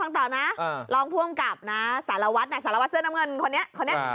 ฟังต่อนะรองผู้อำกับนะสารวัตรสารวัตรเสื้อน้ำเงินคนนี้